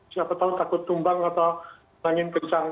siapa tahu takut tumbang atau angin kencang